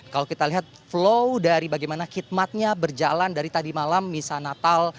kalau kita lihat flow dari bagaimana khidmatnya berjalan dari tadi malam misa natal